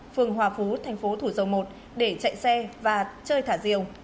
phường hòa phú thành phố thủ dầu một để chạy xe và chơi thả diều